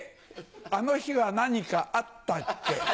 あの日は何かあったっけ？